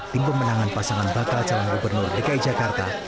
tim pemenangan pasangan bakal calon gubernur dki jakarta